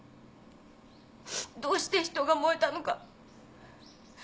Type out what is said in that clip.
どうして人が燃えたのか。